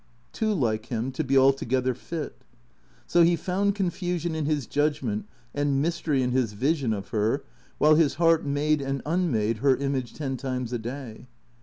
Too like him to be altogether fit. So he found confusion in his judgment and mystery in his vision of her, while his heart made and unmade her image ten times a day.